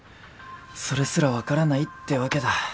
それすらわからないってわけだ。